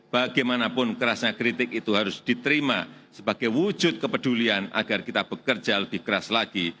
bagaimanapun kerasnya kritik itu harus diterima sebagai wujud kepedulian agar kita bekerja lebih keras lagi